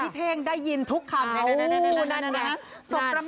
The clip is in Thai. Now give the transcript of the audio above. พี่เท้งได้ยินทุกคำนะครับ